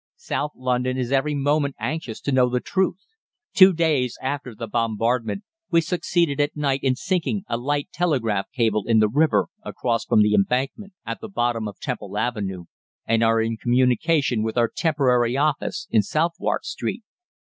"South London is every moment anxious to know the truth. Two days after the bombardment we succeeded at night in sinking a light telegraph cable in the river across from the Embankment at the bottom of Temple Avenue, and are in communication with our temporary office in Southwark Street.